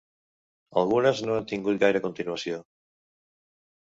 Algunes no han tingut gaire continuació.